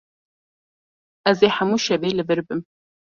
Ez ê hemû şevê li vir bim.